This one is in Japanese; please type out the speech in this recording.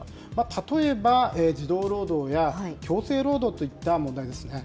例えば、児童労働や強制労働といった問題ですね。